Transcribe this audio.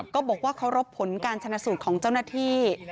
ก็บอกว่าเคารพผลการชนะสูตรของเจ้าหน้าที่